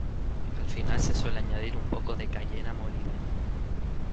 Al final se suele añadir un poco de cayena molida.